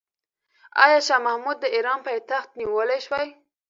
آیا شاه محمود د ایران پایتخت نیولی شي؟